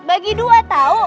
bagi dua tau